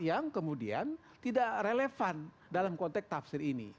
yang kemudian tidak relevan dalam konteks tafsir ini